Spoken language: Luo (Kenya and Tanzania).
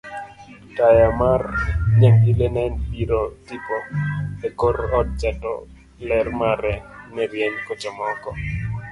taya mar nyangile nediro tipo ekor odcha to ler mare norieny kochomo oko